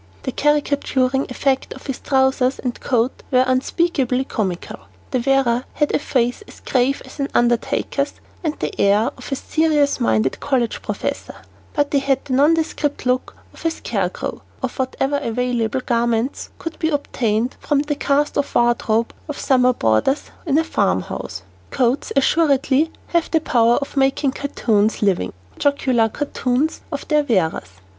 The caricaturing effect of his trousers and coat were unspeakably comical. The wearer had a face as grave as an undertaker's and the air of a serious minded college professor; but he had the nondescript look of a scarecrow composed of whatever available garments could be obtained from the cast off wardrobe of summer boarders in a farmhouse. [Illustration: NO. 90] Coats assuredly have the power of making cartoons living, jocular cartoons of their wearers.